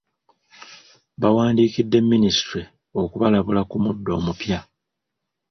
Bawandiikidde Minisitule okubalabula ku muddo omupya.